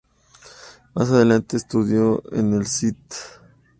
Más adelante estudia en el St.